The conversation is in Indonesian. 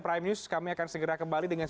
prime news kami akan segera kembali dengan